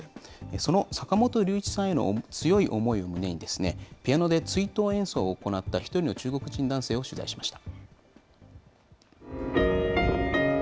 その坂本龍一さんへの強い思いを胸に、ピアノで追悼演奏を行った１人の中国人男性を取材しました。